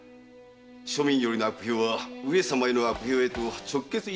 庶民よりの悪評は上様への悪評へと直結いたすというもの。